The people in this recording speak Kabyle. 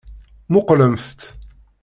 Muqqlemt-tt.